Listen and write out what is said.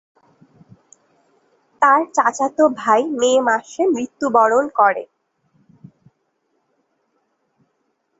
তার চাচাতো ভাই মে মাসে মৃত্যুবরণ করে।